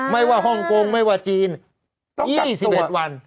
ไม่ว่าฮ่องกงไม่ว่าจีน๒๑วัน